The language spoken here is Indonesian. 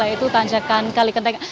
yaitu tanjakan kalikenteng